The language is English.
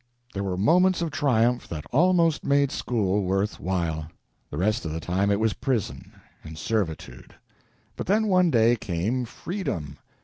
There were moments of triumph that almost made school worth while; the rest of the time it was prison and servitude. But then one day came freedom.